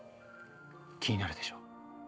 気になるでしょ？